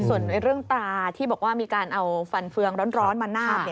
ส่วนเรื่องตราที่บอกว่ามีการเอาฟันเฟืองร้อนมานาบ